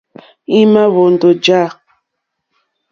Í má ǃhwóndó ǃjá.